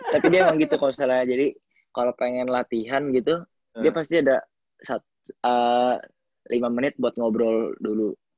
tapi dia emang gitu kalau misalnya jadi kalau pengen latihan gitu dia pasti ada lima menit buat ngobrol dulu